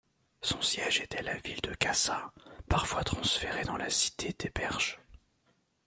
Son siège était la ville de Kassa, parfois transféré dans la cité d'Eperjes.